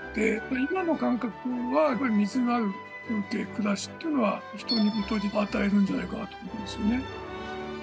今の感覚はやっぱり水があるっていう暮らしというのは人にゆとりを与えるんじゃないかなと思いますよね。